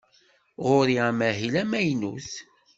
Ɣur-i amahil amaynut.